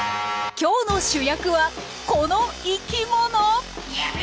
今日の主役はこの生きもの。